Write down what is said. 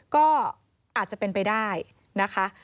ก็อาจจะเป็นไปได้นะคะ